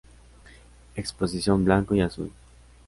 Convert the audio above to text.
Exposición Blanco y azul.